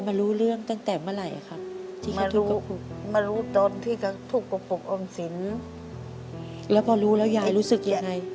พ่อรู้แล้วยายรู้สึกยังไง